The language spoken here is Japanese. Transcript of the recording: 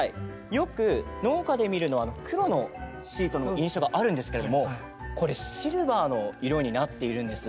よく農家で見るのは黒のシートの印象があるんですけれどもこれシルバーの色になっているんです。